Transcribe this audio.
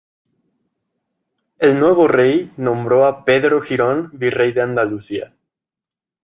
El "nuevo rey" nombró a Pedro Girón virrey de Andalucía.